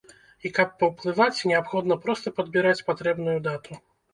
І каб паўплываць, неабходна проста падбіраць патрэбную дату.